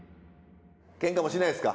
ケンカもしないですか？